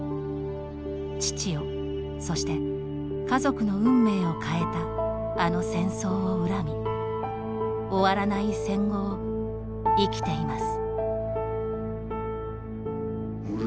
父を、そして家族の運命を変えたあの戦争を恨み終わらない戦後を生きています。